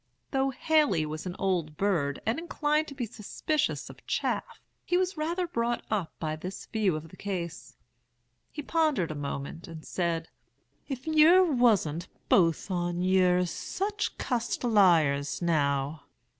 Though Haley was an old bird, and inclined to be suspicious of chaff, he was rather brought up by this view of the case. He pondered a moment, and said, 'If yer wasn't both on yer such cussed liars, now!'